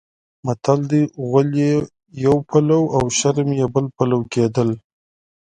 متل دی: غول یې یو پلو او شرم یې بل پلو کېدل.